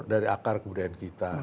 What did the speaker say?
dari akar kebudayaan kita